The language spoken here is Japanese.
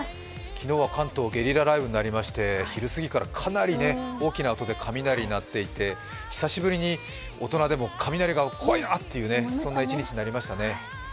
昨日は関東、ゲリラ雷雨になりまして昼過ぎからかなり大きな音で雷なっていて、久しぶりに、大人でも雷が怖いなというようなそんな一日になりましたね。